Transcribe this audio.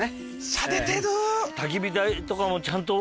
しゃれてる。